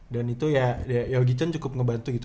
dan itu ya yogi chan cukup ngebantu gitu